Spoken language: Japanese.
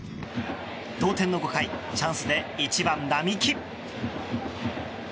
同点の５回チャンスで１番、並木。